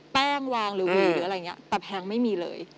แป้งวางหรือวีหรืออะไรอย่างนี้แต่แพงไม่มีเลย